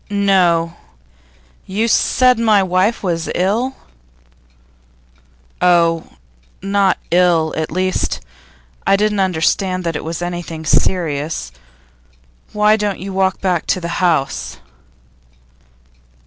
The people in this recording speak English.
'No. You said my wife was ill?' 'Oh, not ill. At least, I didn't understand that it was anything serious. Why don't you walk back to the house?